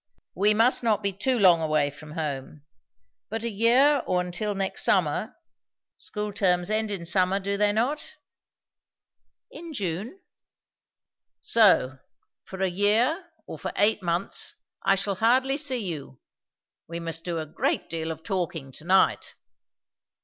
"We must not be too long away from home. But a year or till next summer; school terms end in summer, do they not?" "In June." "So, for a year, or for eight months, I shall hardly see you. We must do a great deal of talking to night."